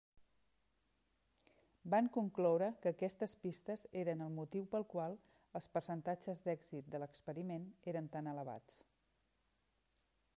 Van concloure que aquestes pistes eren el motiu pel qual els percentatges d'èxit de l'experiment eren tan elevats.